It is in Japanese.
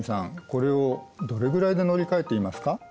これをどれぐらいで乗り換えていますか？